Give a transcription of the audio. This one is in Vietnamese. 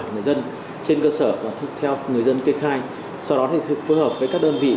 người dân trên cơ sở theo người dân kê khai sau đó thì phối hợp với các đơn vị